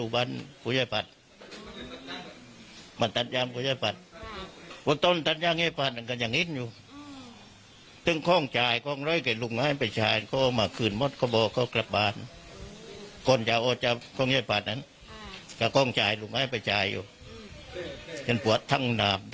ฟันทงไม่ได้ว่าใช่โครงกระดูกของนายทักษิณไหม